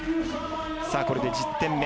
これで１０点目。